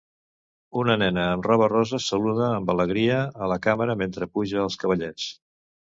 Una nena amb roba rosa saluda amb alegria a la càmera mentre puja als cavallets